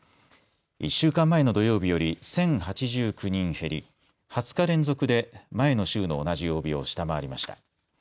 １週間前の土曜日より１０８９人減り２０日連続で、前の週の同じ曜日を下回りました。